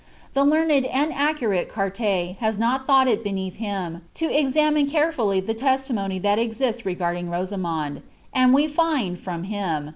The learned and accurate Oirte has not thought it broenth hira, to examine oireftilty the testimony that pjtisia regarding Koaunoiid ; and we hud, from him.